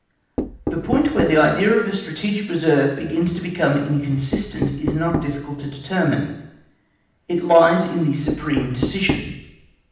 The point where the idea of a strategic reserve begins to become inconsistent is not difficult to determine: it lies in the SUPREME DECISION.